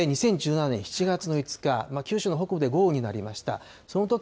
２０１７年７月の５日、九州の北部で豪雨になりました。